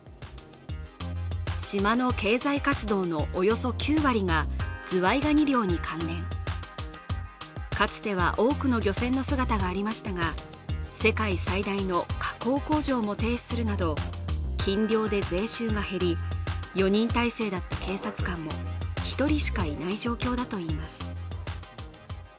島の経済活動のおよそ９割がズワイガニ漁に関連かつては多くの漁船の姿がありましたが、世界最大の加工工場も停止するなど禁漁で税収が減り４人態勢だった警察官も１人しかいない状況だといいます。